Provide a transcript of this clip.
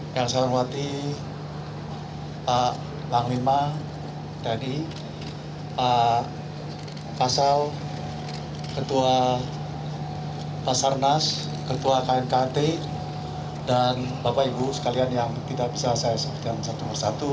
yang saya hormati pak bang lima pak kasal ketua pasar nas ketua knkt dan bapak ibu sekalian yang tidak bisa saya sebutkan satu persatu